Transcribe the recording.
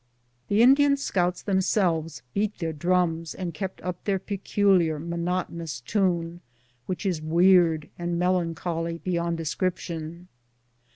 The Indian scouts themselves beat their drums and kept up their peculiar monotonous tune, which is weird and melancholy beyond description.